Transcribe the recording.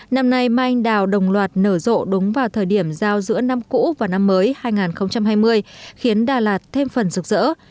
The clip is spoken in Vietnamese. năm nay mai anh đào đồng loạt nở rộ đúng vào thời điểm giao giữa năm cũ và năm mới hai nghìn hai mươi khiến đà lạt thêm phần rực rỡ